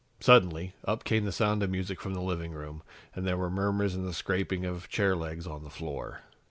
Suddenly, up came the sound of music from the living room and there were murmurs and the scraping of chair legs on the floor.